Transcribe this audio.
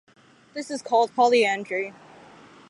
This is called polyandry.